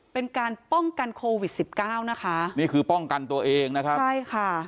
เป็นการป้องกันโควิดสิบเก้านะคะนี่คือป้องกันตัวเองนะครับใช่ค่ะ